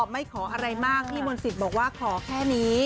ไม่ขออะไรมากพี่มนต์สิทธิ์บอกว่าขอแค่นี้